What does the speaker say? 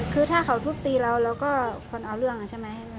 คือถ้าเขาทุบตีเราเราก็ควรเอาเรื่องใช่ไหม